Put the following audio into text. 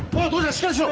しっかりしろ。